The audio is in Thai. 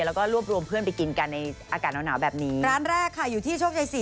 แล้วก็รวบรวมเพื่อนไปกินกันในอากาศหนาวหนาวแบบนี้ร้านแรกค่ะอยู่ที่โชคชัยสี่